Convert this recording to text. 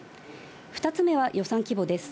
２つ目は予算規模です。